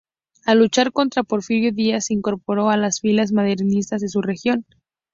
Al luchar contra Porfirio Díaz se incorporó a las filas maderistas de su región.